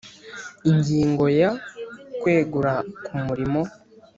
Ingingo ya Kwegura ku murimo